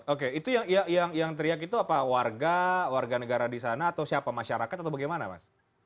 oke itu yang teriak itu apa warga warga negara di sana atau siapa masyarakat atau bagaimana mas